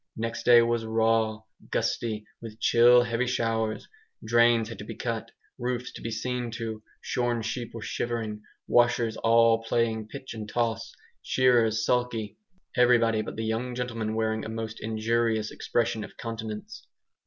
Next day was raw, gusty, with chill heavy showers; drains had to be cut, roofs to be seen to; shorn sheep were shivering, washers all playing pitch and toss, shearers sulky; everybody but the young gentlemen wearing a most injured expression of countenance.